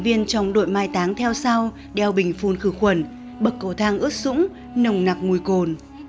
viên trong đội mai táng theo sao đeo bình phun khử khuẩn bậc cầu thang ướt sũng nồng nặc mùi cồn